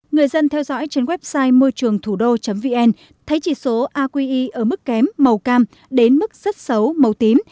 người dân theo dõi trên website môi trườngthủđô vn thấy chỉ số aqi ở mức kém màu cam đến mức rất xấu màu tím